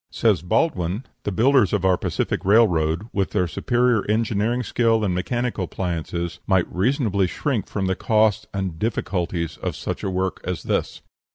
Says Baldwin, "The builders of our Pacific Railroad, with their superior engineering skill and mechanical appliances, might reasonably shrink from the cost and the difficulties of such a work as this.